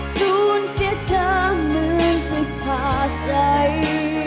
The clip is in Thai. ศูนย์เสียเธอเหมือนจะพาใจ